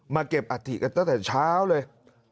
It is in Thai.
เก็บอัฐิกันตั้งแต่เช้าเลย